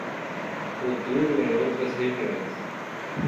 Futuro em outras regiões